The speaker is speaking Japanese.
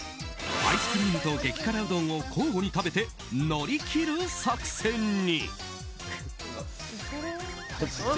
アイスクリームと激辛うどんを交互に食べて乗り切る作戦に。